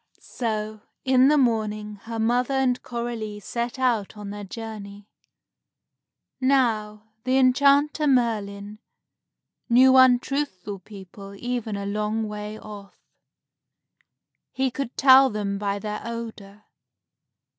So in the morning, her mother and Coralie set out on their journey. Now, the enchanter, Merlin, knew untruthful people even a long way off. He could tell them by their odor.